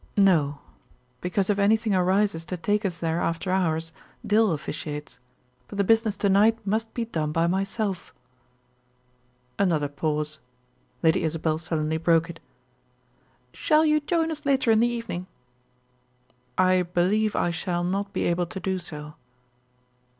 "No; because if anything arises to take us there after hours, Dill officiates. But the business to night must be done by myself." Another pause. Lady Isabel suddenly broke it. "Shall you join us later in the evening?" "I believe I shall not be able to do so."